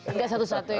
tidak satu satu ya